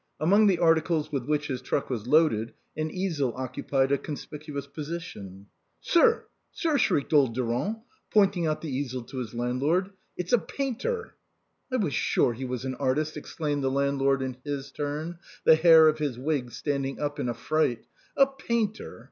Among the articles with which his truck was loaded, an easel occupied a con spicuous position. " Sir ! sir !!" shrieked old Durand, pointing out the easel to his landlord, " it's a painter !"" I was sure he was an artist !" exclaimed the landlord in his turn, the hair of his wig standing up in affright ;" a painter